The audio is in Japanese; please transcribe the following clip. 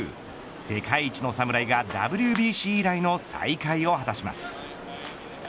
世界一の侍がＷＢＣ以来の再会を果たします。